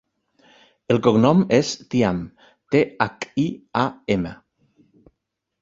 El cognom és Thiam: te, hac, i, a, ema.